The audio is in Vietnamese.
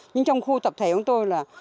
nhưng trong khu tập thể của tôi là